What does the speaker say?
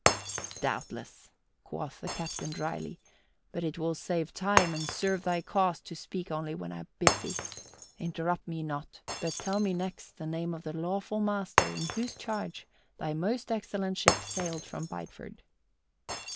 "Doubtless," quoth the captain dryly, "but it will save time and serve thy cause to speak only when I bid thee. Interrupt me not, but tell me next the name of the lawful master in whose charge thy most excellent ship sailed from Bideford."